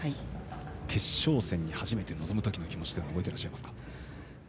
決勝戦に初めて臨むときの気持ち覚えてらっしゃいますか？